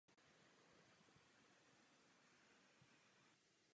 Tato sněmovna ví, že pokladny irského státu jsou prázdné.